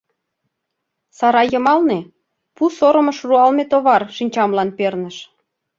Сарай йымалне пу сорымыш руалме товар шинчамлан перныш.